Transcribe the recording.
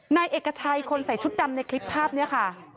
นายเอกชัยคนใส่ชุดดำในคลิปภาพนี้ค่ะ